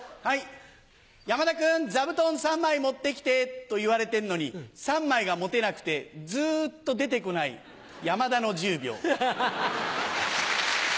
「山田君座布団３枚持ってきて」と言われてんのに３枚が持てなくてずっと出てこない山田の１０秒。